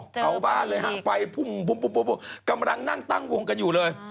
เจอบ้านเลยฮะไฟปุ๊บปุ๊บปุ๊บกำลังนั่งตั้งวงกันอยู่เลย